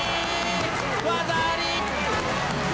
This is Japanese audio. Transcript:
技あり！